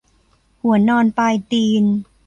หัวนอนปลายตีน